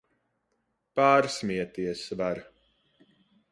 Pārsmieties var!